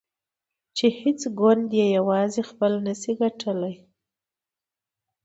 چې هیڅ ګوند یې یوازې خپل نشي ګڼلای.